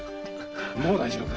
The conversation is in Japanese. もう大丈夫だ。